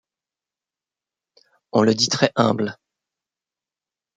On le dit très humble.